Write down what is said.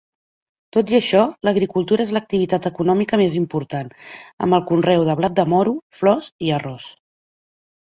Tot i això, l'agricultura és l'activitat econòmica més important, amb el conreu de blat de moro, flors i arròs.